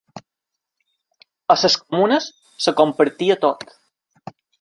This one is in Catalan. A les comunes es compartia tot.